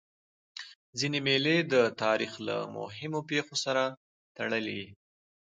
ځيني مېلې د تاریخ له مهمو پېښو سره تړلي يي.